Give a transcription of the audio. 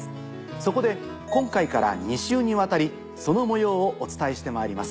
そこで今回から２週にわたりその模様をお伝えしてまいります。